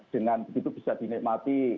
dengan itu bisa dinikmati